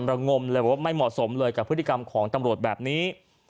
ระงมเลยว่าไม่เหมาะสมเลยกับพฤติกรรมของตำรวจแบบนี้